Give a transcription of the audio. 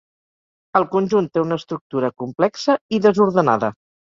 El conjunt té una estructura complexa i desordenada.